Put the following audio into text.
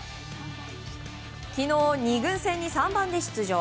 昨日、２軍戦に３番で出場。